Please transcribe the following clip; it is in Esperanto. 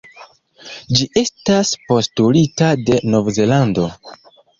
Ĝi estas postulita de Novzelando.